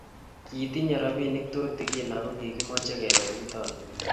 kitinye robinik tutegen aku kikimeche kebe rutoiyo